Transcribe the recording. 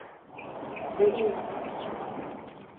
প্রতিটা মিশনেই নিজস্ব কিছু ঝুঁকি রয়েছে।